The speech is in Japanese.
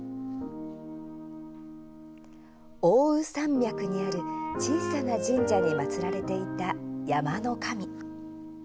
奥羽山脈にある小さな神社に祭られていた山の神。